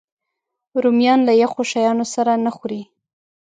رومیان له یخو شیانو سره نه خوري